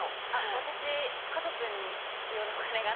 私家族に必要なお金があったので。